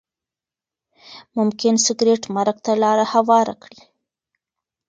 ممکن سګریټ مرګ ته لاره هواره کړي.